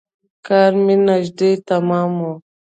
کار مې نژدې تمام و.